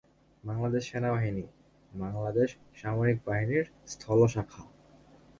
বাংলাদেশ সেনাবাহিনী বাংলাদেশ সামরিক বাহিনীর স্থল শাখা।